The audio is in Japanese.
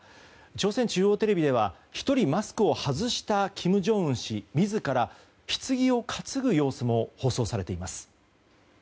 朝鮮中央テレビでは１人マスクを外した金正恩氏自らひつぎを担ぐ様子も放送されています。